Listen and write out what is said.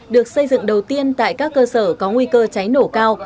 được xây dựng đầu tiên tại các cơ sở có nguy cơ cháy nổ cao